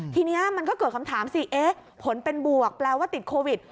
ทีนี้มันก็เกิดคำถามสิผลเป็นบวกแปลว่าติดโควิด